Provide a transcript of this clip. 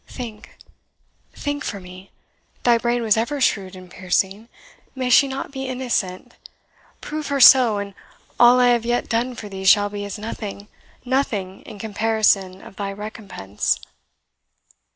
Think, think for me! thy brain was ever shrewd and piercing may she not be innocent? Prove her so, and all I have yet done for thee shall be as nothing nothing, in comparison of thy recompense!"